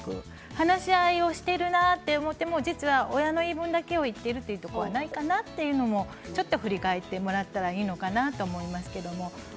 話し合いをしているなと思っても実は親の言い分だけを言っているということはないかなというのもちょっと振り返ってもらったらいいのかなと思いますけども。